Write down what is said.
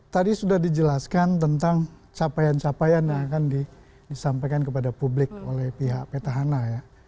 tadi sudah dijelaskan tentang capaian capaian yang akan disampaikan kepada publik oleh pihak petahana ya